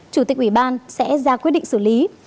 chủ tịch ủy ban sẽ ra quyết định xử lý